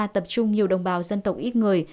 tập trung nhiều đồng bào dân tộc ít người